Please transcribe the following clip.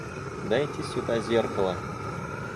Дайте сюда зеркало.